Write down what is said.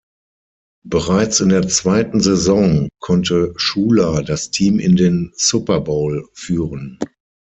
Bereits in der zweiten Saison konnte Shula das Team in den Super Bowl führen.